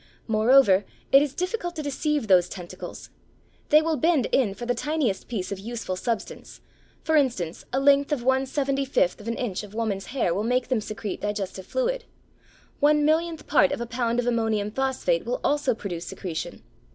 Moreover it is difficult to deceive those tentacles. They will bend in for the tiniest piece of useful substance; for instance, a length of one seventy fifth of an inch of woman's hair will make them secrete digestive fluid. One millionth part of a pound of ammonium phosphate will also produce secretion.